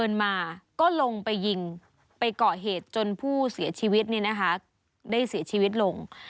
มาก็ลงไปยิงไปเกาะเหตุจนผู้เสียชีวิตได้เสียชีวิตลง